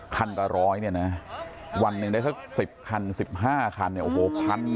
คันกว่าร้อยวันนึงได้สัก๑๐คัน